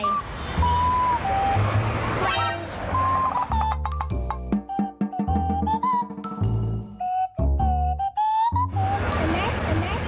อันนี้อันนี้